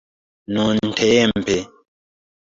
nuntempe